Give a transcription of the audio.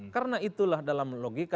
karena itulah dalam logika